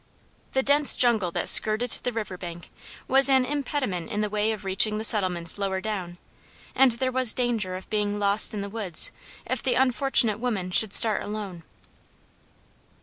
The dense jungle that skirted the river bank was an impediment in the way of reaching the settlements lower down, and there was danger of being lost in the woods if the unfortunate woman should start alone.